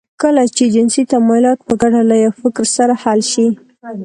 کله چې جنسي تمايلات په ګډه له يوه فکر سره حل شي.